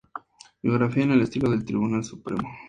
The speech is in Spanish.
Biografía en el Sitio del Tribunal Supremo